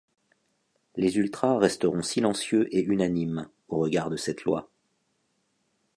Les Ultras resteront silencieux et unanimes au regard de cette loi.